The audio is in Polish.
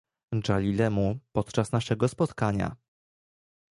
Dżalilemu podczas naszego spotkania